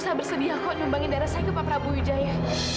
sedia kok nyumbangin darah saya ke pak prabu widjaya